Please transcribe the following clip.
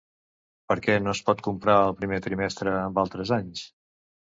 Per què no es pot comprar el primer trimestre amb altres anys?